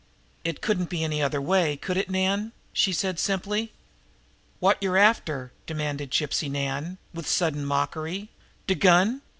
"It couldn't be any other way, could it, Nan?" she said simply. "Wot yer after?" demanded Gypsy Nan, with sudden mockery. "De gun?